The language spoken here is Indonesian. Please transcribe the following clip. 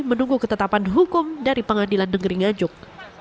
menunggu ketetapan hukum dari pengadilan negeri nganjuk